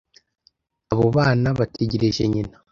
Abo bana bategereje nyina.